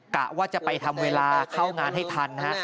กะว่าจะไปทำเวลาเข้างานให้ทันฮะ